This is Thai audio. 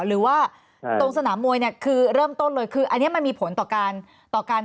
หรือว่าตรงสนามมวยคือเริ่มต้นเลยคืออันนี้มันมีผลต่อการ